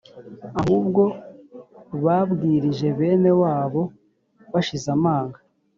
ahubwo babwirije bene wabo bashize amanga